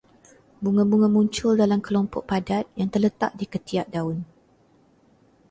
Bunga-bunga muncul dalam kelompok padat yang terletak di ketiak daun